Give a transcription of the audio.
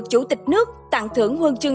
đảng chủ tịch nước tặng thưởng huân chương